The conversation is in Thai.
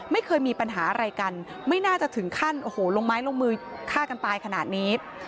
ไม่เคยมีปัญหาอะไรกันไม่น่าจะถึงขั้นโอ้โหลงไม้ลงมือฆ่ากันตายขนาดนี้